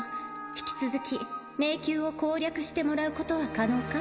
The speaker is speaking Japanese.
引き続き迷宮を攻略してもらうことは可能か？